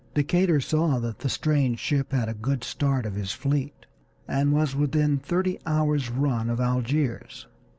Decatur saw that the strange ship had a good start of his fleet, and was within thirty hours' run of Algiers.